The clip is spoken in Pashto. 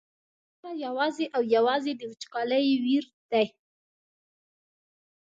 خبره یوازې او یوازې د وچکالۍ ویر دی.